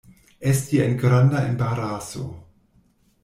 Esti en granda embaraso.